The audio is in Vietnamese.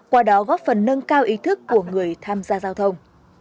qua đó góp phần nâng cao ý thức của người tham gia giao thông